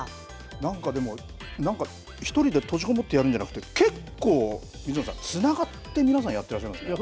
なんかでも、なんか、１人で閉じこもってやるんじゃなくて、結構、水野さん、つながって、皆さんやってらっしゃいますね。